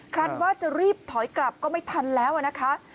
คันว่าจะรีบถอยกลับก็ไม่ทันแล้วนะคะ